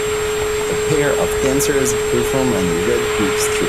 A pair of dancers perform on a red brick street.